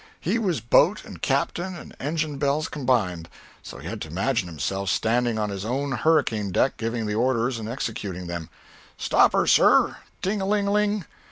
He was boat and captain and engine bells combined, so he had to imagine himself standing on his own hurricane deck giving the orders and executing them: "Stop her, sir! Ting a ling ling!"